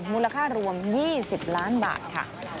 มูลค่ารวม๒๐ล้านบาทค่ะ